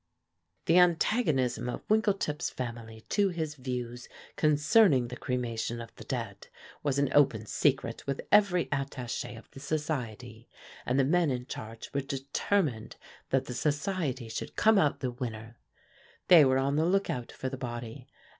The antagonism of Winkletip's family to his views concerning the cremation of the dead was an open secret with every attaché of the society, and the men in charge were determined that the society should come out the winner. They were on the lookout for the body.